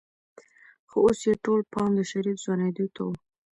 خو اوس يې ټول پام د شريف ځوانېدو ته و.